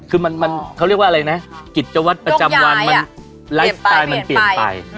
คือมันมันเขาเรียกว่าอะไรนะกิจวัตรประจำวันเปลี่ยนไปเปลี่ยนไป